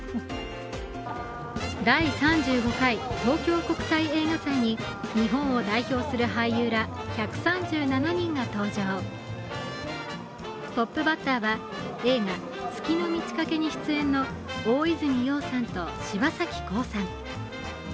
第３５回東京国際映画祭に日本を代表する俳優ら１３７人が登場トップバッターは映画「月の満ち欠け」に出演の大泉洋さんと柴咲コウさん。